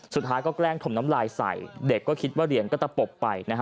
สุดท้ายก็แกล้งถมน้ำลายใส่เด็กก็คิดว่าเรียนก็ตะปบไปนะฮะ